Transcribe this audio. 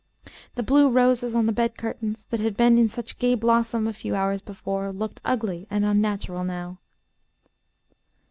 The blue roses on the bed curtains, that had been in such gay blossom a few hours before, looked ugly and unnatural now.